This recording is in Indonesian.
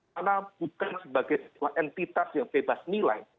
karena bukan sebagai sebuah entitas yang bebas nilai